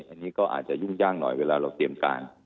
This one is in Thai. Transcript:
อันนี้ก็อาจจะยุ่งยากหน่อยเวลาเราเตรียมการ